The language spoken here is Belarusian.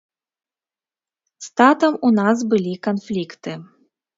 З татам у нас былі канфлікты.